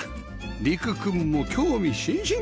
理玖くんも興味津々！